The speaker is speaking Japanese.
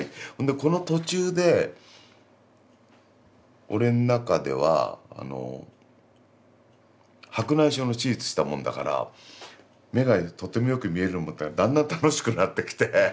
この途中で俺の中ではあの白内障の手術したもんだから目がとてもよく見えると思ったらだんだん楽しくなってきて。